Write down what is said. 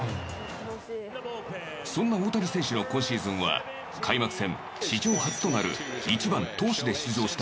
そんな大谷選手の今シーズンは開幕戦史上初となる１番、投手で出場した